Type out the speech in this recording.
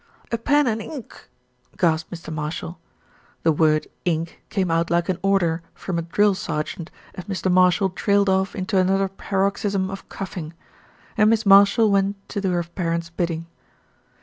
"A pen and ink," gasped Mr. Marshall. The word "ink" came out like an order from a drill sergeant, as Mr. Marshall trailed off into another paroxysm of coughing, and Miss Marshall went to do her parent's bidding.